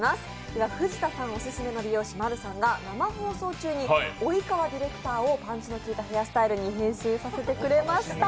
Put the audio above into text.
では、藤田さんオススメの美容師、ＭＡＲＵさんが生放送中に及川ディレクターをパンチの効いたヘアスタイルに変身してくれました。